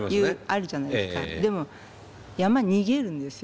でも山逃げるんですよ。